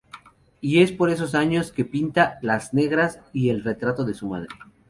Y es por esos años que pinta:"Las Negras" y el retrato de su madre.